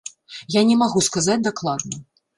Я не магу сказаць дакладна.